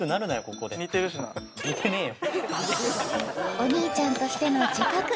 ここでお兄ちゃんとしての自覚